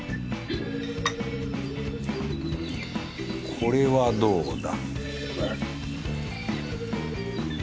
これはどうだ